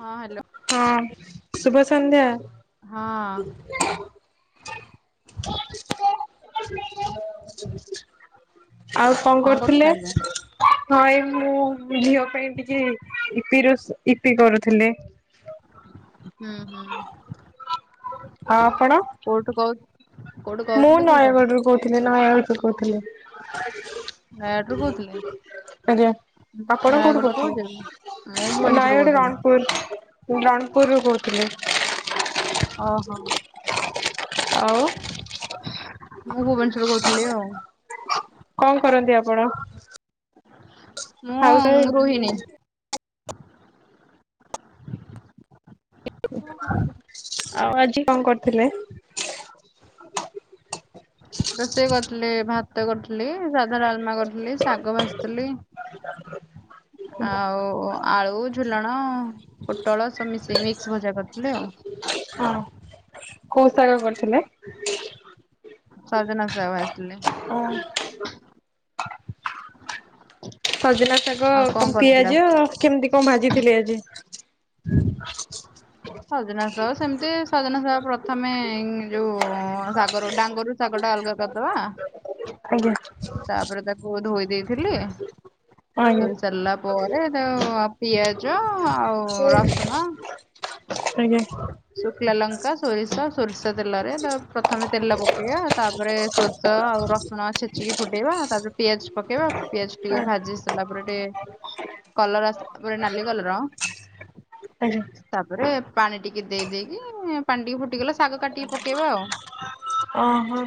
ହଁ ହ୍ୟାଲୋ ହଁ ଶୁଭ ସଂନ୍ଧ୍ୟା ହଁ [unintelligible] ଆଉ କଣ କରୁଥିଲେ? ହଁ ଏ ମୁଁ ଝିଅ ପାଇଁ ଟିକେ ଇପି ରୋସେ ଇପି କରୁଥିଲେ ହୁଁ ହୁଁ ଆଉ ଆପଣ କଉଠୁ କହୁ କୋଉଠୁ ମୁଁ କହୁଥିଲେ କୋଉଠୁ ନୟାଗଡ଼ରୁୁ କହୁଥିଲି ନୟାଗଡ଼ରୁୁ କହୁଥିଲି ନୟାଗଡ଼ ରୁ କହୁଥିଲେ ଆଜ୍ଞା ଆପଣ କୋଉଠୁ ନୟାଗଡ଼ରୁ କୋଉ ଜାଗା? ମୁଁ କହୁଥିଲେ ନଁ ଭୁବନେଶ୍ୱରରୁ ଗୋଟେ କହୁଥିଲି ରଣପୁର ମୁଁ ରଣପୁରରୁୁ କହୁଥିଲି ଓହୋ ଆଉ ମୁଁ ଭୁବନେଶ୍ବର କହୁଥିଲି ଆଉ କଣ କରନ୍ତି ଆପଣ? [inaudible] ହଉ ସବୁ ମୁଁ ରୋହିଣୀ ଆଉ ଆଜି କଣ କରଥିଲେ? ରୋଷେଇ କରିଥିଲେ ଭାତ କରିଥି ଲି ସାଧା ଡାଲମା କରିଥିଲି ଶାଗ ଭାଜିଥିଲି। [inaudible] ଆଉ ଆଳୁ ଝୁଲଣ ପୋଟଳ ସବୁ ମିଶେଇ ମିକ୍ସ ଭଜା କରିଥିଲି ଆଉ। ହଁ କଉ ସାଗ କରିଥିଲେ? ସଜନା ଶାଗ ଭାଜିଥିଲି। ଓ ସଜନା ଶାଗ ଆଉ କଣ କ କରିଥିଲେ ପିଆଜ କେମିତି କଣ ଭାଜିଥିଲେ ଆଜି? ସଜନା ସାଗ ସେମିତି ସଜନା ସାଗ ପ୍ରଥମେ ଯୋଉ ସାଗର ଡାଙ୍ଗରୁ ଶାଗଟା ଅଲଗା କରଦବା। ଆଜ୍ଞା। ତାପରେ ତାକୁ ଧୋଇ ଦେଇଥିଲି, ଆଜ୍ଞା ଧୋଇ ସାରିଲା ପରେ ତ ଅପ ପିଆଜ ଆଉ ରସୁଣ ଆଜ୍ଞା ଶୁକିଲା ଲଙ୍କା, ସୋରିଷ, ସୋରିଷ ତେଲରେ ତା ପ୍ରଥମେ ତେଲ ପକେଇଆ ତାପରେ ସୋରିଷ ଆଉ ରସୁଣ ଛେଚିକି ଫୁଟେଇବା, ତାପରେ ପିଆଜ ପକେଇବା, ପିଆଜ ଆ ଟିକେ ଭାଜିସ୍ ସରଲା ପରେ ଟିକେ କଲର୍, ଆସିଲା ପରେ ନାଲି କଲର୍ ଆଜ୍ଞା। ତାପରେ ପାଣି ଟିକେ ଦେଇ ଦେଇକି, ଏଁ ପାଣି ଟିକେ ଫୁଟିଗଲେ ଶାଗ କାଟିକି ପକେଇବା ଆଉ। ଓହୋ,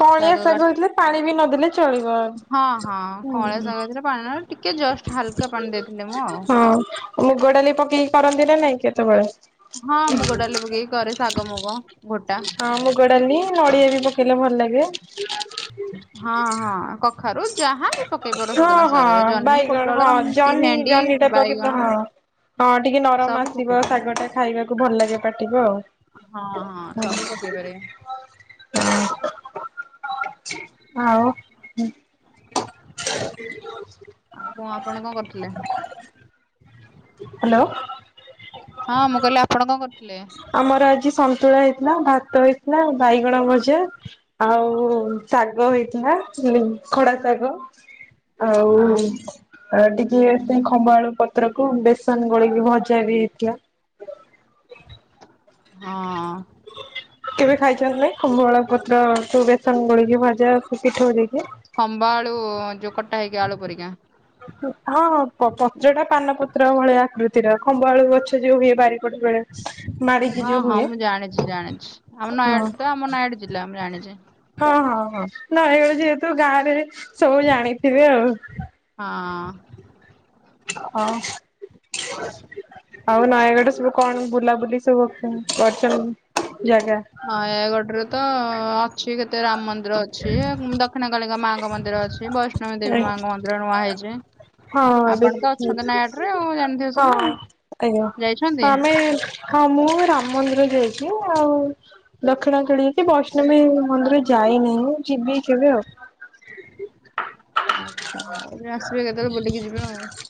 କଅଁଳିଆ ଶାଗ ହେଇଥିଲେ ପାଣି ବି ନଦେଲେ ଚଳିବ, ହଁ ହଁ କଅଁଳା ଶାଗ ହେଇଥିଲା ପାଣି ନା ଟିକେ ଜଷ୍ଟ ହାଲକା ପାଣି ଦେଇଥିଲି ମୁଁ ଆଉ। ହଁ। ମୁଗ ଡାଲି ପକେଇକି କରନ୍ତି ନା ନାଇଁ କେତେବେଳେ? ହଁ ମୁଗ ଡାଲି ପକେଇକି କରେ ଶାଗ ମୁଗ ଗୋଟା। ହଁ ମୁଗ ଡାଲି ନଡ଼ିଆ ବି ପକେଇଲେ ଭଲ ଲାଗେ। ହଁ, ହଁ ହଁ କଖାରୁ ଯାହା ବି ପକେଇ ପାର ସୁଜନା ଶାଗରେ ହଁ ଜହ୍ନି ବାଇଗଣ ପୋଟଳ ହଁ ଉଁ, କି ଜହ୍ନି ଭେଣ୍ଡି ଜହ୍ନି ସେ ବାଇଗଣ କରିବ ହଁ, ହଁ ଟିକେ ନରମ ସବୁ ପକେଇ ଆସିବ ପାରିବ। ଶାଗ ଟା ଖାଇବାକୁ ଭଲ ଲାଗେ ପାଟିକୁ ଆଉ। ହଁ, ହଁ ସବୁ ପକେଇ ପାରିବେ। ଆଉ ଆଉ କଣ ଆପଣ କଣ କରୁଥିଲେ? ହ୍ୟାଲୋ। ହଁ ମୁଁ କହିଲି ଆପଣ କଣ କରୁଥିଲେ? ଆମର ଆଜି ସନ୍ତୁଳା ହେଇଥିଲା, ଭାତ ହେଇଥିଲା, ବାଇଗଣ ଭଜା, ଆଉ ଶାଗ ହେଇଥିଲା ଉଁ, ଖଡା ଶାଗ, ଆଉ ହଁ ଆ, ଟିକେ ସେଥିପାଇଁ ଖମ୍ବଆଳୁ ପତ୍ରକୁ ବେସନ ଗୋଳେଇକି ଭଜା ବି ହେଇଥିଲା। ହଁ। କେବେ ଖାଇଛନ୍ତି ନାଇଁ ଖୁମ୍ବଆଳ ପତ୍ର ସବୁ ବେସନ ଗୋଳେଇକି ଭଜା ସେ ପିଠଉ ଦେଇକି। ଖମ୍ବ ଆଳୁ ଯୋ କଟା ହେଇକି ଆଳୁ ପରିକା। ହୁଁ, ହଁ, ହଁ ପ-ପତ୍ର ଟା ପାନ ପତ୍ର ଭଳିଆ ଆକୃ ସେଇଟା ଖମ୍ବ ଆଳୁ ଗଛ ଯୋଉ ହୁଏ ବାରିପଟ ବେଳେ। ମାଡିକି ହଁ ଯୋଉ ହଁ ହୁଏ ମୁଁ ଜାଣିଛି ଜାଣିଛି ଆମ ହଁ। ନୟାଗଡ଼ ତ ଆମ ନୟାଗଡ଼ ଜିଲ୍ଲା ମୁଁ ଜାଣିଚି। ହଁ, ହଁ, ହଁ ନାଇ ଏ ଯେହେତୁ ଗାଁ ରେ ସବୁ ଜାଣିଥିବେ ଆଉ।। ହଁ। ହଁ ଆଉ ନୟାଗଡ ସବୁ କଣ ବୁଲାବୁଲି ସେ ଗୋଟେ [unintelligible] ଜାଗା। ନୟାଗଡରେ ତ ଅଛି କେତେ ରାମ ମନ୍ଦି ନ୍ଦିର ଅଛି ଆ, ହୁଁ, ଦକ୍ଷିଣ କାଳୀ ଙ୍କ ମାଙ୍କ ମନ୍ଦିର ଅଛି। ବୈଷ୍ଣବୀ ଦେବୀ ମାଙ୍କ ମନ୍ଦିର ନୂଆ ହେଇଛି। ହଁ ଏବେ ଆପଣ ତ ଅଛନ୍ତି ନୟାଗଡ଼ରେ ହେଇଛି, ଆଉ ଜାଣିଥିବେ ହଁ ସବୁ ଆଜ୍ଞା ଯାଇଛନ୍ତି ହଁ ଆମେ ହଁ ମୁଁ ରାମ ମନ୍ଦିର ଯାଇଛି। ଆଉ ଦକ୍ଷିଣ କାଳୀ କି ବୈଷ୍ଣବୀ ମନ୍ଦିର ଯାଇନି ମୁଁ ଯିବି କେବେ ଆଉ। ଆଚ୍ଛା ହଉ ଯେ ଆସିବେ କେତେବେଳେ ବୁଲିକି ଯିବେ ଅ,।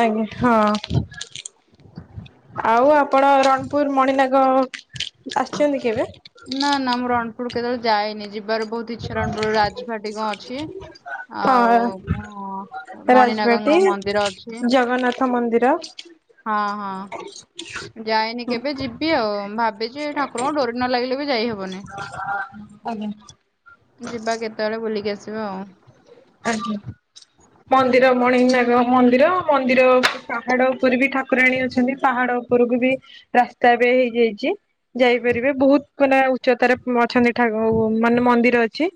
ଆଜ୍ଞା, ହଁ। ଆଉ ଆପଣ ରଣପୁର ମଣିନାଗ ଆସିଛନ୍ତି କେବେ? ନା, ନା ମୁଁ ରଣପୁର କେତେବେଳେ ଯାଇନି, ଯିବାର ବହୁତ ଇଚ୍ଛା ରଣପୁର ରାଜଭାଟୀ କଣ ଅଛି। ଆଉ ହଁ ହଁ ମଣିନାଗଙ୍କ ମନ୍ଦିର ଅଛି। ଥ ମନ୍ଦିର। ହଁ, ହଁ। ଯାଇନି କେବେ, ଯିବି ଆଉ ଭାବିଚି ଏ ଠାକୁରଙ୍କୁ ଡୋରି ନ ଲାଗିଲେ ବି ଯାଇହବ ଆଜ୍ଞ। ଯିବା କେତେବେଳେ ବୁଲିକି ଆସିବ। ଆଜ୍ଞା। ମନ୍ଦିର ମଣିନାଗ ମନ୍ଦିର, ମନ୍ଦିର ପାହାଡ ଉପରେ ବି ଠାକୁରାଣୀ ଅଛନ୍ତି ପାହାଡ଼- ଉପରକୁ ବି ରାସ୍ତା ଏବେ ହେଇଯାଇଛି ଯାଇପାରିବେ ବହୁତ ମାନେ ଉଚ୍ଚତାରେ ଅଛନ୍ତି ଠା ମାନେ ମନ୍ଦିର ଅଛି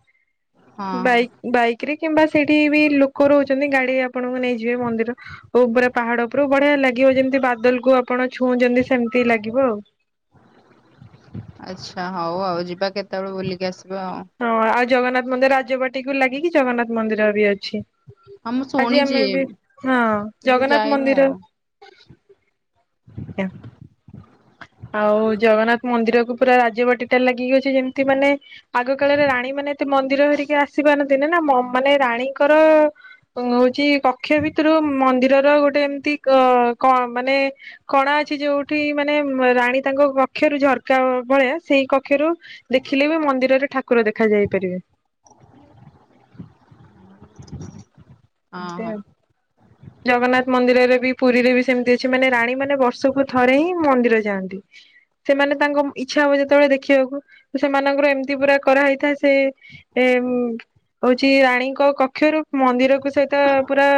ହଁ ବାଇକ୍ ବାଇକ୍- କୀରି କିମ୍ବା ସେଇଠି ବି ଲୋକ ରହୁଛନ୍ତି ଗାଡି ଆପଣଙ୍କୁ ନେଇଯିବେ ମନ୍ଦିର ଉପରେ ପାହାଡ ଉପରୁ ବଢିଆ ଲାଗିବ ଯେମିତି ବାଦଲ କୁ ଆପଣ ଛୁଉଁଛନ୍ତି ସେମିତି ଲାଗିବ ଆଉ। ଆଚ୍ଛା ହଉ ଆଉ ଯିବା କେତେବେଳ ବୁଲିକି ଆସିବା ଆଉ। ହଁ ଆଉ ଜଗନ୍ନାଥ ମନ୍ଦିର ରାଜବାଟିକୁ ଲାଗିକି ଜଗନ୍ନାଥ ମନ୍ଦିର ବି ଅଛି। ହଁ ମୁଁ ଆଜି ଶୁଣିଛି ଆମେ ବି ହଁ କିନ୍ତୁ ଜଗନ୍ନାଥ ଯାଇନି ମନ୍ଦିର ଆଉ। [unintelligible] ଆଉ ଜଗନ୍ନାଥ ମନ୍ଦିର କୁ ପୁରା ରାଜବାଟିଟାରେ ଲାଗିକି ଅଛି ଯେମତି ମାନେ ଆଗ କାଳରେ ରାଣୀ ମାନେ ଏତେ ମନ୍ଦିର ହେରିକା ଆସି ପାରନ୍ତି ନା ନା ମାନେ ରାଣୀଙ୍କର ହଉଛି କକ୍ଷ ଭିତରୁ ମନ୍ଦିରର ଗୋଟେ ଏମତି ଅ କ ମାନେ କଣା ଅଛି ଯୋଉଠି ମାନେ ରାଣୀ ତାଙ୍କ କକ୍ଷରୁ ଝରକା ଭଳିଆ ସେଇ କକ୍ଷରୁ ଦେଖିଲେ ବି ମନ୍ଦିରରେ ଠାକୁର ଦେଖା ଯାଇ ପାରିବେ। [inaudible] ଏ ଦେ ହଁ ଜଗନ୍ନାଥ ମନ୍ଦିରରେ ବି ପୁରୀରେ ବି ସେମିତି ଅଛି, ମାନେ ରାଣୀ ମାନେ ବର୍ଷକୁ ଥରେ ହିଁ ମନ୍ଦିର ଯାଆନ୍ତି। ସେମାନେ ତାଙ୍କ ଇଛା ହବ ଯେତେବେଳେ ଦେଖିବାକୁ ସେମାନଙ୍କର ଏମିତି ପୁରା କରାହେଇଥାଏ ସେ ଏ ହଉଛି ରାଣୀଙ୍କ କକ୍ଷରୁ ମନ୍ଦିରକୁ ସେଟା ପୁରା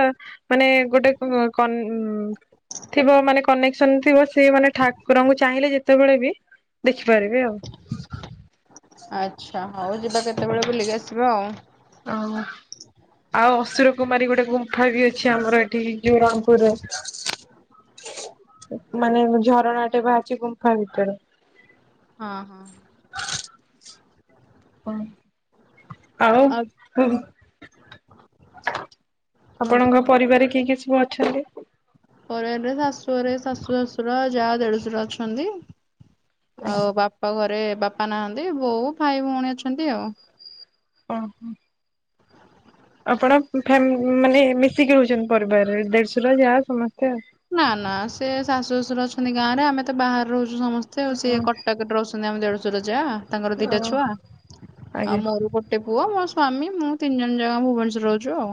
ମାନେ ଗୋଟେ କନେ ଥିବ ମାନେ କନ୍ ସେମିତି ବସି ମାନେ ଠାକୁରଙ୍କୁ ଚାହିଁଲେ ଯେତେବେଳେ ବି ଦେଖିପାରିବେ ଆଉ। ଆଚ୍ଛା ହଉ ଯିବା କେତେବେଳେ ବୁଲିକି ଆସିବା ଆଉ। ଆଉ ଆଉ ଅସୁର କୁମାରୀ ଗୋଟେ ଗୁମ୍ଫା ବି ଅଛି ଆମର ଏଠି ଜୋଉରାମପୁରରେ। ମାନେ ଝରଣା ଟେ ବାହାରିଚି ଗୁମ୍ଫା ଭିତରୁ। ହଁ ହଁ। ଆଉ ହୁଁ। କୁହନ୍ତୁ ଆପଣଙ୍କ କୁହନ୍ତୁ। ପରିବାରେ କିଏ କିଏ ସବୁ ଅଛନ୍ତି? ପରିବାରରେ ଶାଶୁଘରେ ଶାଶୁ ଶଶୁର ଯା ଦେଢଶୁର ଅଛନ୍ତି। ଆଉ ବାପ ଘରେ ବାପା ନାହାନ୍ତି ବୋଉ ଭାଇ ଭଉଣୀ ଅଛନ୍ତି ଆଉ। ଅ ହ। ଆପଣ ଫ୍ୟା ମାନେ ମିଶିକି ରହୁଛନ୍ତି ପରିବାରରେ ଦେଢଶୁର ଯା ସମସ୍ତେ ଆଉ। ନା ନା ସେ ଶାଶୁ ଶଶୁର ଅଛନ୍ତି ଗାଁରେ ଆମେ ତ ବାହାରେ ରହୁଛୁ ସମସ୍ତେ ଆଉ ସିଏ କଟାକରେ ରହୁ ଛନ୍ତି, ଆମ ଦେଢଶର ଯା ତାଙ୍କର ଦିଟା ଓ ଛୁଆ ଆଉ ଆଜ୍ଞା ମୋର ଗୋ ଟେ ପୁଅ ମୋ ସ୍ଵାମୀ ମୁଁ ତିନି ଜଣ ଯାକ ଭୁବନେଶର ରେ ରହୁଚୁ ଆଉ।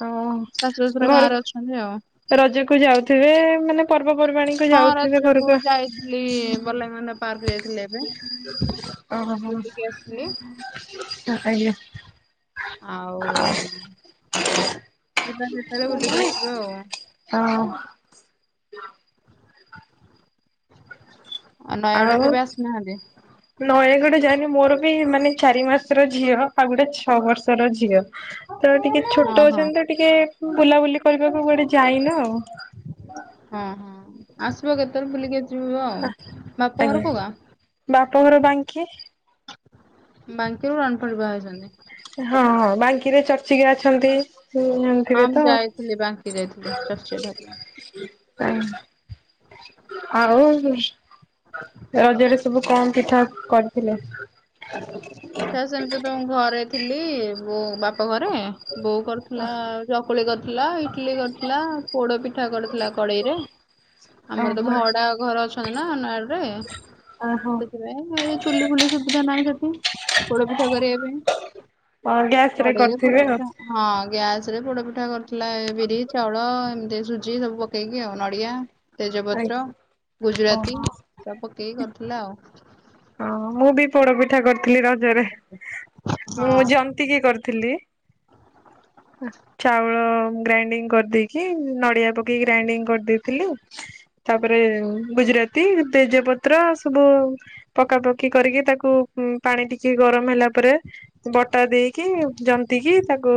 ହଁ ଶାଶୁ ଶଶୁର ଘରକୁ ଗାଁରେ ଅଛନ୍ତି ଆଉ। ରଜକୁ ଯାଉଥିବେ ମାନେ ପର୍ବପର୍ବାଣୀ କୁ ଯାଉଥିବେ ଘରକୁ ଲି ବଲାଇ ମାନ ପାର୍କ ଯାଇଥିଲେ। ଓ ହୋ ଆସିଲି ଆଜ୍ଞା। ଆଉ ଯିବା କେତେଳେ ବୁଲିକି ଆସିବା ଆଉ। ଅ ଆଉ ନୟାଗଡ କେବେ ଆସିନାହାନ୍ତି? ନୟାଗଡ ଯାଇନି ମୋର ବି ମାନେ ଚାରି ମାସର ଝିଅ ଆଉ ଗୋଟେ ଛଅ ବର୍ଷର ଝିଅ। ହଁ ତ ଟିକେ ହଁ ଛୋଟ ହଁ ଅଛନ୍ତି ତ ଟିକେ ବୁଲାବୁଲି କରିବାକୁ କୁଆଡେ ଯାଇନୁ ଆଉ। ହଁ ହଁ ଆସିବ କେତେବେଳେ ବୁଲିକି ଆସିବ ଆଉ। ଆ ବାପ ଘର ଆଜ୍ଞା କୋଉ ଗାଁ? ବାପ ଘର ବାଙ୍କି। ବାଙ୍କୀ ରୁ ରଣ ଫଟ ବାହା ହେଇଛନ୍ତି। ହଁ ହଁ ବାଙ୍କିରେ ଚର୍ଚିକା ଅଛନ୍ତି। ହୁଁ ଜାଣି ହଁ ଥିବେ ମୁଁ ତ ଯାଇଥିଲି ବାଙ୍କି ଯାଇଥିଲି ଚର୍ଚ୍ଚିକା ଠାକୁର। ଆଉ ରଜରେ ସବୁ କଣ ପିଠା କରିଥିଲେ? ସେ ସେମିତି ତ ମୁଁ ଘରେ ଥିଲି ବୋଉ ବାପ ଘରେ ବୋଉ କରିଥିଲା ଚକୁଳି କରିଥିଲା, ଇଟଲି କରିଥିଲା, ପୋଡ଼ପିଠା କରିଥିଲା କଡେଇରେ। ଆମର ତ ଓହୋ ଭଡା ଘର ଅଛନ୍ତି ନା ନୟାଗଡରେ। ଓହୋ। ଏଇ ଏ ଚୁଲି ଫୁଲି ସୁବିଧା ନାହିଁ ସେଠି ପୋଡ଼ପିଠା କରିବା ପାଇଁ। ଗ୍ୟାସ ରେ କଡେଇରେ କରିଥିବେ ଆଉ। ପୋଡ଼ପିଠା, ହଁ ଗ୍ୟାସ ରେ ପୋଡ଼ପିଠା କର ଥିଲା ଏଇ ବିରି, ଚାଉଳ ଏମିତି ସୁଜି ସବୁ ପକେଇକି ଆଉ ନଡ଼ିଆ ତେଜପତ୍ର, ଆଜ୍ଞା ଗୁଜୁରାତି ସବୁ ପକେଇ କରିୁଥିଲା ଆଉ। ହଁ ମୁଁ ବି ପୋଡପିଠା କରିଥିଲି ରଜରେ ହଁ ମୁଁ ଜନ୍ତ୍ ଜନ୍ତିକି କରିଥିଲି। ଚାଉଳ ଗ୍ରାଇଣ୍ଡିଙ୍ଗ କରିଦେଇକି ନଡିଆ ପକେଇକି ଗ୍ରାଇଣ୍ଡିଙ୍ଗ କରିଦେଇଥିଲି। ତାପରେ ଗୁଜୁରାତି, ତେଜପତ୍ର ଆଉ ସବୁ ପକାପକି କରିକି ତାକୁ ପାଣି ଟିକେ ଗରମ ହେଲା ପରେ ବଟା ଦେଇକି ଜନ୍ତିକି ତାକୁ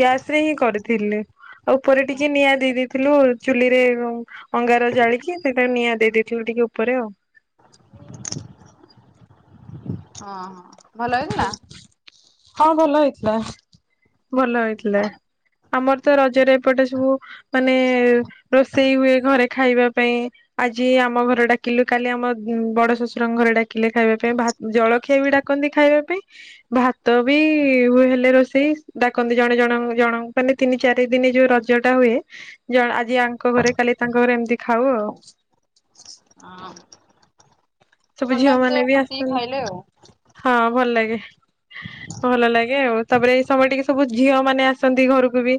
ଗ୍ୟାସରେ ହିଁ କରିଥିଲି ଆଉ ଉପରେ ଟିକେ ନିଆଁ ଦେଇ ଦେଇଥିଲୁ ଚୁଲିରେ ଅଙ୍ଗାର ଜାଳିକି ସେତା ନିଆଁ ଦେଇ ଦେଇଥିଲୁ ଟିକେ ଉପରେ ଆଉ ହଁ ହ ଭଲ ହେଇଥିଲା? ହଁ ଭଲ ହେଇଥିଲା ଭଲ ହେଇଥିଲା ଆମର ତ ରଜରେ ଏପଟେ ସବୁ ମାନେ ରୋଷେଇ ହୁଏ ଘରେ ଖାଇବା ପାଇଁ। ଆଜି ଆମ ଘର ଡାକିଲୁ, କାଲି ଆମ ବଡ ଶ୍ୱଶୁରଙ୍କ ଘରେ ଡାକିଲେ ଖାଇବା ପାଇଁ ଭାତ୍ ଜଳଖିଆ ବି ଡାକନ୍ତି ଖାଇବା ପାଇଁ। ଭାତ ବି ହୁଏ ହେଲେ ରୋଷେଇ ଡାକନ୍ତି ଜଣେ ଜଣ ଜଣ ମାନେ ତିନି ଚାରି ଦିନ ଯୋଉ ରଜ ରଜଟା ହୁଏ ଜ ଆଜି ଆଙ୍କ ଘରେ କାଲି ତାଙ୍କ ଘରେ ଏମିତି ଖାଉ ଆଉ। ହଁ ସବୁ ଭଲ ଝିଅ ଏମିତି ମାନେ ବି ମିଶିକି ଆସନ୍ତି ଖାଇଲେ ଆଉ। ହଁ ଭଲ ଲାଗେ ଭଲ ଲାଗେ ଆଉ ତାପରେ ଏଇ ସମୟ ଟିକେ ସବୁ ଝିଅ ମାନେ ଆସ ଆସନ୍ତି ଘରକୁ ବି। [inaudible]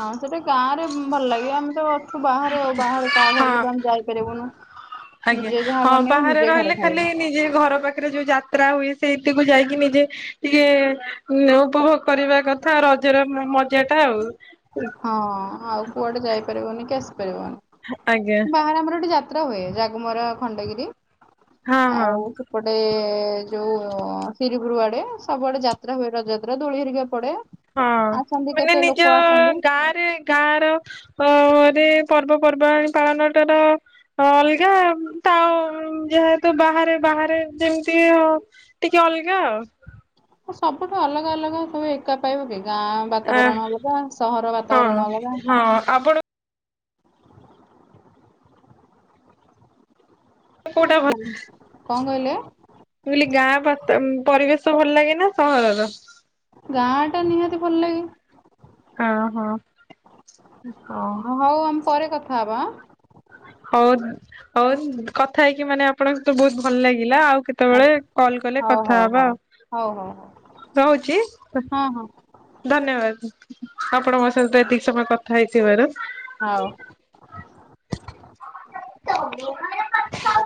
ହଁ ସେଟା ଗାଁରେ ଭଲ ଲାଗିବ ଆମେ ତ ଅଛୁ ବାହାରେ ଆଉ ବାହାରେ କାହା ଘରକୁ ହଁ ତ ଆମେ ଯାଇପାରିବୁନୁ। ଆଜ୍ଞା ନିଜେ ଯାହା ହଁ ବନେଇବୁ ବାହାରେ ନିଜେ ଘରେ ରହିଲେ ଖାଲି ଖାଇବୁ ନିଜେ ଘର ପାଖରେ ଯୋଉ ଯା ତା ହୁଏ ସେଇଥିକୁ ଯାଇକି ନିଜେ ଟିକେ ଉଁ ଉପଭୋଗ କରିବା କଥା ରଜର ମଜା ଟା ଆଉ। ହଁ ଆଉ କୁଆଡେ ଯାଇପାରିବନି କି ଆସିପାରିବନି। ଆଜ୍ଞା। ତାରେ ଆମର ଏଠି ଯାତ୍ରା ହୁଏ ଜାଗମରା ଖଣ୍ଡଗିରି ହଁ ହଁ ଆଉ ପଟେ ଯୋଉ ସିରିପୁରୁ ଆଡେ ସବୁଆଡେ ଯାତ୍ରା ହୁଏ ରଜ ଯାତ୍ରା ଦୋଳି ହରିକା ପଡେ। ହଁ ଆସନ୍ତି ମାନେ କେତେ ନିଜ ଲୋକ ଅ ଆସନ୍ତି ଅ ଗାଁ ରେ ଗାଁ ର ଅରେ ପର୍ବପର୍ବାଣି ପାଳନଟାର ହଁ ଅଲଗା ତା ଯେହେତୁ ବାହାରେ ବାହାରେ ଯେମିତି ହ ଟିକେ ଅଲଗା ଆଉ। ସବୁଠୁ ଅଲଗା ଅଲଗା ସବୁ ଏକା ପାଇବ କି ଗାଁ ଆ ବାତାବରଣ ଅଲଗା ସହର ହଁ ବାତାବରଣ ଅଲଗା। ହଁ ଆପଣ? କୋଉଟା ଭଲ କଣ କହିଲେ? ମୁ କହିଲି ଗାଁ ପରିବେଶ ଭଲ ଲାଗେ ନା ସହରର? ଗାଁ ଟା ନିହାତି ଭଲ ଲାଗେ। ଓହୋ ହଉ ଆମେ ପରେ କଥା ହବା ହାଁ। ହଉ ହଉ କଥା ହେଇକି ମାନେ ଆପଣଙ୍କୁ ତ ବହୁତ ଭଲ ଲାଗିଲା ଆଉ। କେତେବେଳେ କଲ କଲେ ଆଁ କଥା ହଉ ହବା ହଉ ହଉ ହଉ ହଉ ଆଉ ରହୁଛି। ହଉ ହଁ ଧନ୍ୟବାଦ ଆପଣ ମୋ ସହିତ ଏତିକି ସମୟ କଥା ହେଇଥିବାର। ହଉ। [inaudible]